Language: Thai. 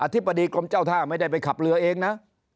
ธิบดีกรมเจ้าท่าไม่ได้ไปขับเรือเองนะ